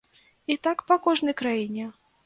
І так па кожнай краіне.